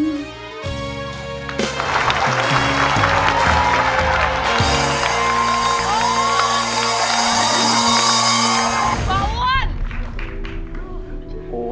เขาบ่ออ้วน